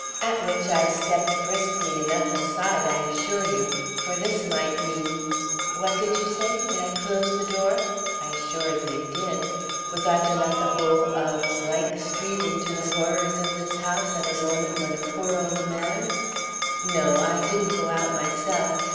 At which I stepped briskly enough aside, I assure you, for this might mean What did you say? Did I close the door? I assuredly did. Was I to let the whole of Street into the horrors of this house at a moment when a poor old man No, I didn't go out myself.